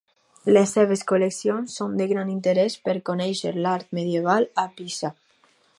Les seves col·leccions són de gran interès per conèixer l'art medieval a Pisa.